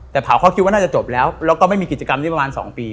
แต่เผาเขาคิดว่าน่าจะจบแล้วแล้วก็ไม่มีกิจกรรมนี้ประมาณ๒ปี